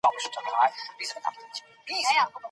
زده کوونکي د انلاين کورس له لارې درسونه لوستل.